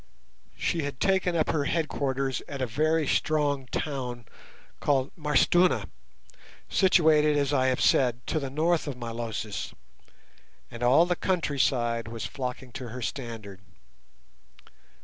She had taken up her headquarters at a very strong town called M'Arstuna, situated, as I have said, to the north of Milosis, and all the countryside was flocking to her standard.